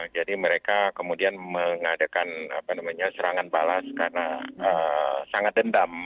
jadi mereka kemudian mengadakan serangan balas karena sangat dendam